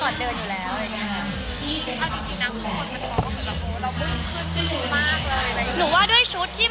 มันเหมือนกับมันเหมือนกับมันเหมือนกับ